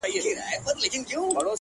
• دا ارزښتمن شى په بټوه كي ساته؛